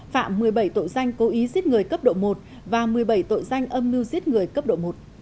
phạm một mươi bảy tội danh cố ý giết người cấp độ một và một mươi bảy tội danh âm mưu giết người cấp độ một